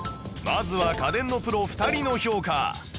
まずは家電のプロ２人の評価